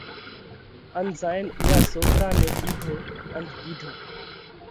ان زائينَ اُوئا سوڪرا نئہ ۮِيڌا ان ڪِيڌو: